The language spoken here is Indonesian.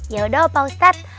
yaudah opa ustadz